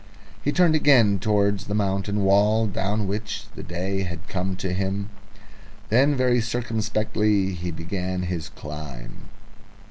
He turned again towards the mountain wall, down which the day had come to him. Then very circumspectly he began to climb.